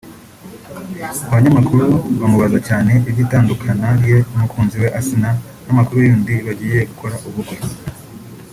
abanyamakuru bamubaza cyane iby’itandukana rye n’umukunzi we Asinah n’amakuru y’undi bagiye gukora ubukwe